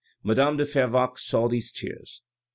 Madame de Fervaques saw these tears.